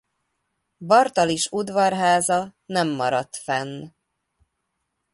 Bartalis udvarháza nem maradt fenn.